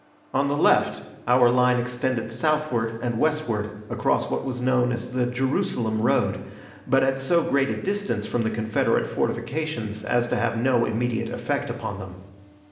On the left our line extended southward and westward across what was known as the Jerusalem road, but at so great a distance from the Confederate fortifications as to have no immediate effect upon them.